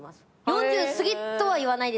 ４０すぎとは言わないですけど。